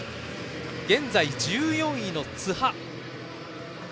現在１４位の津波。